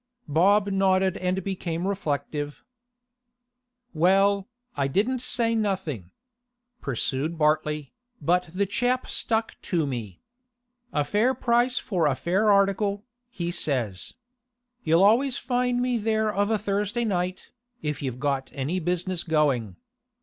Bob nodded and became reflective. 'Well, I didn't say nothing,' pursued Bartley, 'but the chap stuck to me. "A fair price for a fair article," he says. "You'll always find me there of a Thursday night, if you've got any business going.